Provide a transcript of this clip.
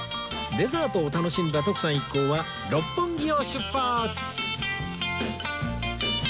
デザートを楽しんだ徳さん一行は六本木を出発